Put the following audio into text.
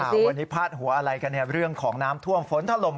วันนี้พาดหัวอะไรกันเนี่ยเรื่องของน้ำท่วมฝนถล่ม